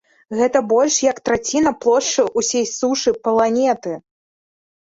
Гэта больш як траціна плошчы ўсёй сушы планеты.